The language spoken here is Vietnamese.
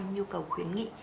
năm mươi nhu cầu khuyến nghị